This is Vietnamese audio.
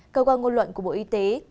cơ quan ngôn luận của bộ y tế